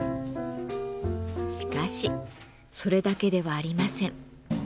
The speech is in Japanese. しかしそれだけではありません。